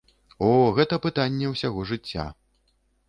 О, гэта пытанне ўсяго жыцця.